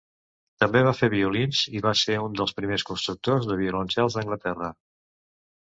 També va fer violins, i va ser un dels primers constructors de violoncels d'Anglaterra.